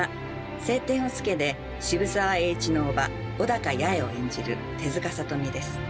「青天を衝け」で渋沢栄一の伯母・尾高やへを演じる手塚理美です。